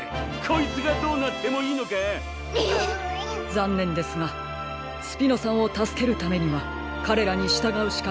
ざんねんですがスピノさんをたすけるためにはかれらにしたがうしかなさそうです。